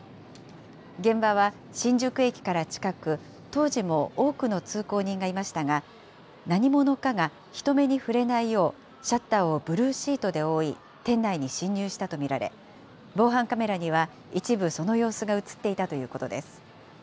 現場は新宿駅から近く、当時も多くの通行人がいましたが、何者かが人目に触れないよう、シャッターをブルーシートで覆い、店内に侵入したと見られ、防犯カメラには一部その様子が写っていたということです。